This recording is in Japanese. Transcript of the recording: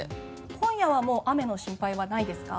今夜はもう雨の心配はないですか？